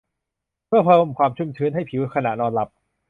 เพื่อเพิ่มความชุ่มชื้นให้ผิวขณะนอนหลับ